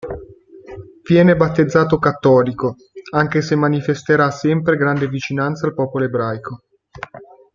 Viene battezzato cattolico, anche se manifesterà sempre grande vicinanza al popolo ebraico.